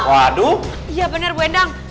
waduh iya benar bu endang